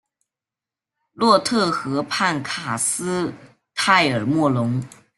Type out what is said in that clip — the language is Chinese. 洛特河畔卡斯泰尔莫龙。